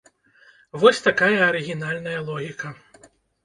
Вось такая арыгінальная логіка.